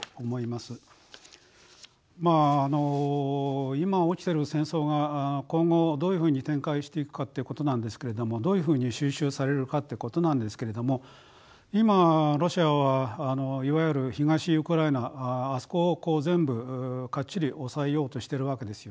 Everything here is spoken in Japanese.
まああの今起きてる戦争が今後どういうふうに展開していくかってことなんですけれどもどういうふうに収拾されるかってことなんですけれども今ロシアはいわゆる東ウクライナあそこをこう全部がっちり押さえようとしてるわけですよね。